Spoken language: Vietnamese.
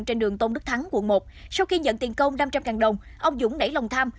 trên đường tôn đức thắng quận một sau khi nhận tiền công năm trăm linh đồng ông dũng nảy lòng tham